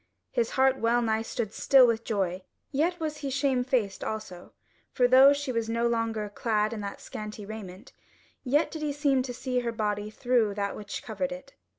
His heart well nigh stood still with joy, yet was he shamefaced also: for though now she was no longer clad in that scanty raiment, yet did he seem to see her body through that which covered it.